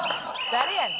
誰やねん。